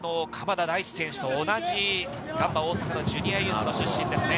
鎌田大地選手と同じガンバ大阪のジュニアユースの出身です。